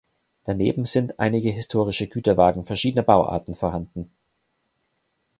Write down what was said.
Daneben sind einige historische Güterwagen verschiedener Bauarten vorhanden.